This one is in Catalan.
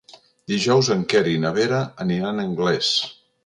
Dijous en Quer i na Vera aniran a Anglès.